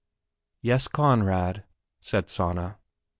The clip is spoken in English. "Yes, Conrad," said Sanna.